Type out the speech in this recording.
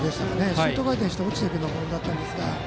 シュート回転で落ちていくようなボールだったんですが。